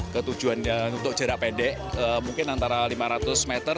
ketujuan untuk jarak pendek mungkin antara lima ratus meter